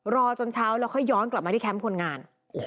รอจนเช้าแล้วค่อยย้อนกลับมาที่แคมป์คนงาน